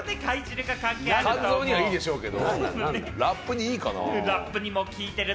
肝臓にはいいでしょうけれども、ラップにはいいのかな？